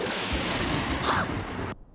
はっ！